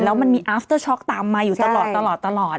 แล้วมันมีอาฟเตอร์ช็อกตามมาอยู่ตลอด